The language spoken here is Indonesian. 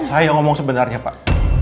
saya ngomong sebenarnya pak